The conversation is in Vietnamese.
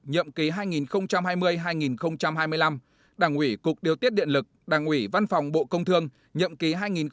nhậm ký hai nghìn hai mươi hai nghìn hai mươi năm đảng ủy cục điều tiết điện lực đảng ủy văn phòng bộ công thương nhiệm ký hai nghìn hai mươi hai nghìn hai mươi